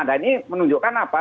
dan ini menunjukkan apa